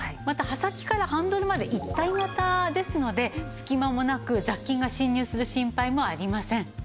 また刃先からハンドルまで一体型ですので隙間もなく雑菌が侵入する心配もありません。